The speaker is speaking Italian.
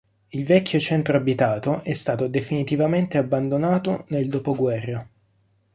Il vecchio centro abitato è stato definitivamente abbandonato nel dopoguerra.